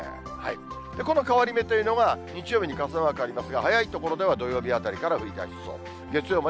この変わり目というのが、日曜日に傘マークありますが、早い所では土曜日あたりから降りだしそう。